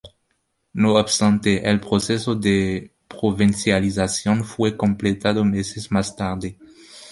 No obstante, el proceso de provincialización fue completado meses más tarde.